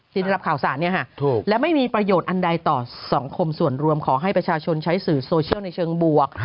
ได้รับข่าวสารและไม่มีประโยชน์อันใดต่อสังคมส่วนรวมขอให้ประชาชนใช้สื่อโซเชียลในเชิงบวก